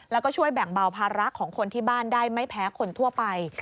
แล้วก็ช่วยแบ่งเบาภาระของคนที่บ้านได้ไม่แพ้คนทั่วไป